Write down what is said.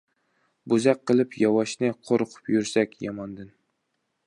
بوزەك قىلىپ ياۋاشنى، قورقۇپ يۈرسەك ياماندىن.